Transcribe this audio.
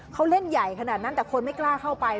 เขาเล่นใหญ่ขนาดนั้นแต่คนไม่กล้าเข้าไป